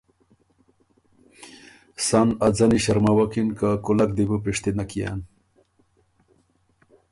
سَۀ ن ا ځنی ݭرمَوَکِن که کُولک دی بو پِشتِنه کيېن،